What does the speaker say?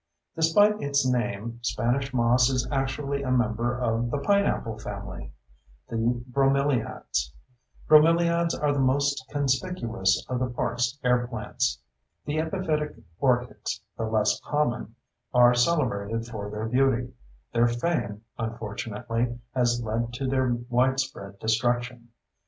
Despite its name, Spanish moss is actually a member of the pineapple family—the bromeliads. Bromeliads are the most conspicuous of the park's air plants. The epiphytic orchids, though less common, are celebrated for their beauty; their fame, unfortunately, has led to their widespread destruction.